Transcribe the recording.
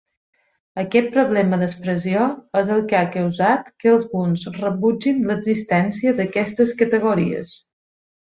Aquest problema d'expressió és el que ha causat que alguns rebutgin l'existència d'aquestes categories.